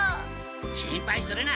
心配するな。